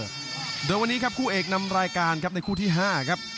โดยวันนี้ครับคู่เอกนำรายการครับในคู่ที่๕ครับ